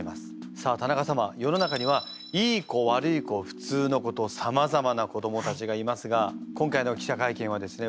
さあ田中様世の中にはいい子悪い子ふつうの子とさまざまな子どもたちがいますが今回の記者会見はですね